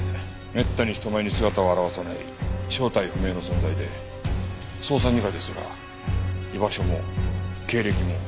めったに人前に姿を現さない正体不明の存在で捜査二課ですら居場所も経歴も把握していない。